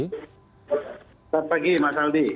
selamat pagi mas aldi